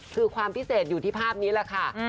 คือความพิเศษอยู่ที่ภาพนี้แหละค่ะ